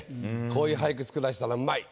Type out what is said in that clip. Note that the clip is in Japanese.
こういう俳句作らせたらうまい。